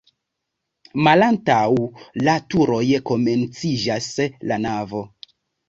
Malantaŭ la turoj komenciĝas la navo.